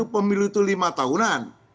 pemilu itu lima tahunan